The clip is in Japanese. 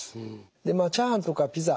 でまあチャーハンとかピザ